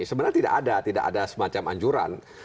sebenarnya tidak ada semacam anjuran